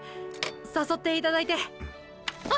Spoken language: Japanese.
誘っていただいてあ！